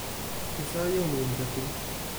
Nesɛa yiwen wemdakel.